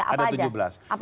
bisa dijelaskan nggak